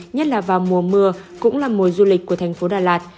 nhất là vào mùa mưa cũng là mùa du lịch của thành phố đà lạt